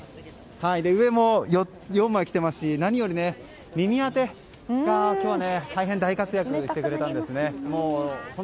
上も４枚着てますし何より耳当てが今日は大変大活躍してくれたんです。